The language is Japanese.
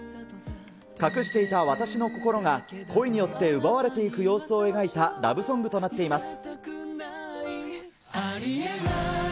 隠していたわたしの心が恋によって奪われていく様子を描いたラブソングとなっています。